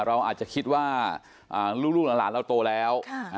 เราอาจจะคิดว่าอ่าลูกลูกหลานหลานเราโตแล้วค่ะ